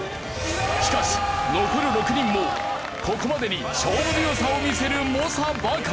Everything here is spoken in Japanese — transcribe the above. しかし残る６人もここまでに勝負強さを見せる猛者ばかり。